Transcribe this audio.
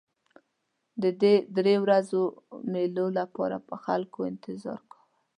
د دې درې ورځو مېلو لپاره به خلکو انتظار کاوه.